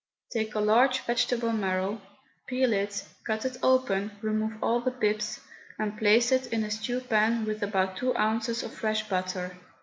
Take a large vegetable marrow, peel it, cut it open, remove all the pips, and place it in a stew pan with about two ounces of fresh butter.